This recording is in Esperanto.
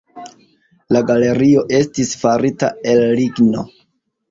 La galerio estis farita el ligno.